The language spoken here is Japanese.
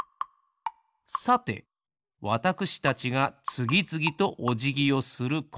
さてわたくしたちがつぎつぎとおじぎをするこのはこ。